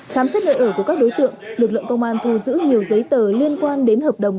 khám xét nơi ở của các đối tượng lực lượng công an thu giữ nhiều giấy tờ liên quan đến hợp đồng